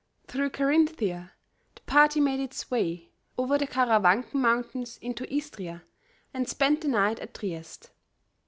Through Carinthia the party made its way, over the Kara Wanken Mountains into Istria and spent the night at Trieste.